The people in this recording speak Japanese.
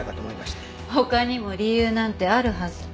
他にも理由なんてあるはずない。